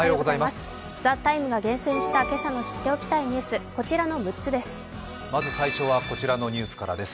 「ＴＨＥＴＩＭＥ，」が厳選した今朝の知っておきたいニュース、こちらの６つです。